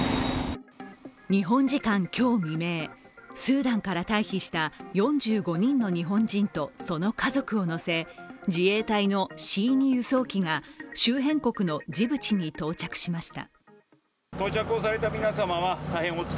日本時間今日未明、スーダンから退避した４５人の日本人とその家族を乗せ、自衛隊のＣ２輸送機が周辺国のジブチに到着しました。